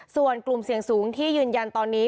ส่วนกลุ่มเสี่ยงสูงที่ยืนยันตอนนี้